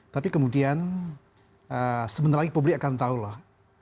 tapi kemudian sebentar lagi publik akan tahu lah